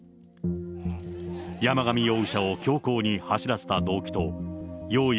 山上容疑者を凶行に走らせた動機と用意